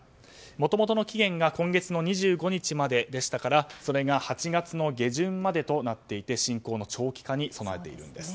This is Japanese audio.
もともとの期限が今月の２５日まででしたからそれが８月の下旬までとなって侵攻の長期化に備えているんです。